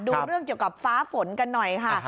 เรื่องเกี่ยวกับฟ้าฝนกันหน่อยค่ะ